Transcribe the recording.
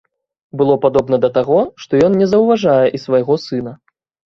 Было падобна да таго, што ён не заўважае і свайго сына.